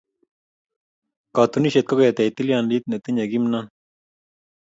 Katunisyet ko ketech tilyandit netinyei kimnon.